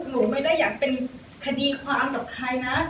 หนูไม่ได้อยากเป็นคดีความกับใครนะ